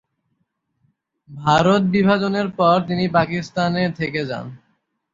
ভারত বিভাজনের পর তিনি পাকিস্তানে থেকে যান।